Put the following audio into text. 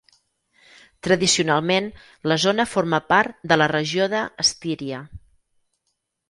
Tradicionalment, la zona forma part de la regió de Styria.